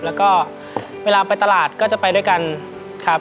แล้วก็เวลาไปตลาดก็จะไปด้วยกันครับ